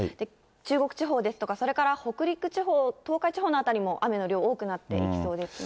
中国地方ですとか、それから北陸地方、東海地方の辺りも雨の量多くなっていきそうですね。